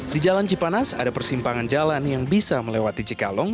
di jalan cipanas ada persimpangan jalan yang bisa melewati cikalong